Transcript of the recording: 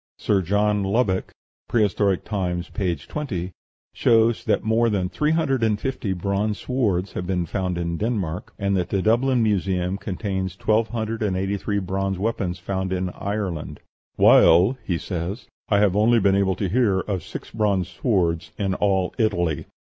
Sir John Lubbock ("Prehistoric Times," p. 20) shows that more than three hundred and fifty bronze swords have been found in Denmark, and that the Dublin Museum contains twelve hundred and eighty three bronze weapons found in Ireland; "while," he says, "I have only been able to hear of six bronze swords in all Italy."